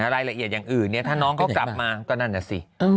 รายละเอียดอย่างอื่นเนี่ยถ้าน้องเขากลับมาก็นั่นน่ะสิ